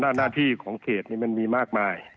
หน้าที่ของเขตนี้มันมีมากมาย